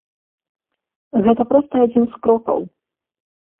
Гэта проста адзін з крокаў.